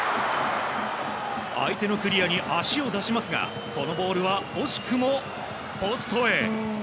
相手のクリアに足を出しますが、このボールは惜しくもポストへ。